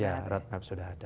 ya road map sudah ada